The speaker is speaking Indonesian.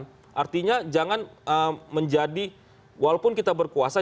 jadi kita jangan menjadi walaupun kita berkuasa